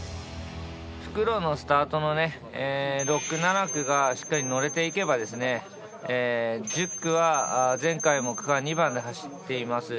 復路のスタートのね、６区、７区がしっかり乗れていけば１０区は前回も区間２番で走っています。